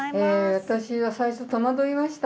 私は最初戸惑いました。